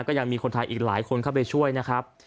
ก็ยังมีคนไทยอีกหลายคนเข้าไปช่วยนะครับ